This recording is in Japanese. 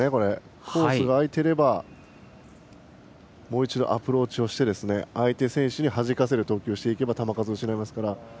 コースが空いていればもう一度アプローチをして相手選手にはじかせる投球をしていけば球数を失うので。